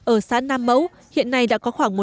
ở xã nam mẫu hiện nay đã có khoảng